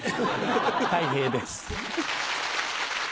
たい平です。